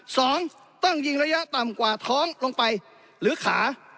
สองต้องยิงระยะต่ำกว่าท้องลงไปหรือขา